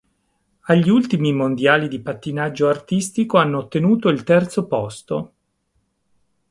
Agli ultimi Mondiali di pattinaggio artistico hanno ottenuto il terzo posto.